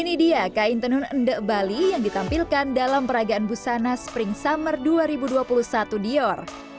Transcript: ini dia kain tenun endek bali yang ditampilkan dalam peragaan busana spring summer dua ribu dua puluh satu dior